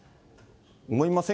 思いません？